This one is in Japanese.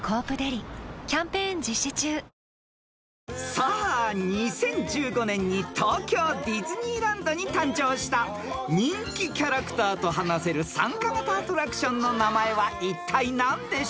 ［さあ２０１５年に東京ディズニーランドに誕生した人気キャラクターと話せる参加型アトラクションの名前はいったい何でしょう？］